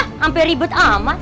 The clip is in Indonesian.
hampir ribet amat